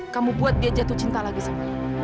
kamu buat dia jatuh cinta lagi sama